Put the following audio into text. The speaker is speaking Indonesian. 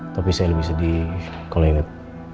tapi saya lebih sedih kalo inget